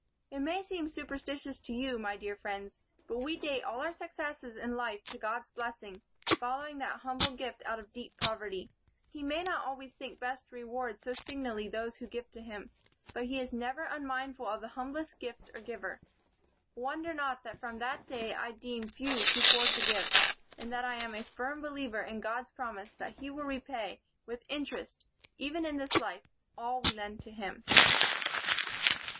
"It may seem superstitious to you, my dear friends, but we date all our success in life to God's blessing, following that humble gift out of deep poverty. He may not always think best to reward so signally those who give to him, but he is never unmindful of the humblest gift or giver. Wonder not that from that day I deem few too poor to give, and that I am a firm believer in God's promise that he will repay with interest, even in this life, all we lend to him."